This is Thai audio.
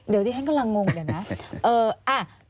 เดี๋ยวดิฉันกำลังงงเดี๋ยวนะ